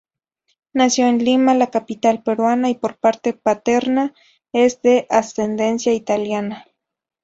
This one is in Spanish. Nació en Lima, la capital peruana y por parte paterna, es de ascendencia italiana.